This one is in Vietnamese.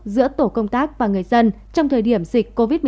giữa tổ công tác và người dân trong thời điểm dịch covid một mươi chín